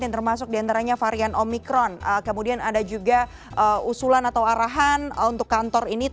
termasuk di antaranya varian omicron kemudian ada juga usulan atau arahan untuk kantor ini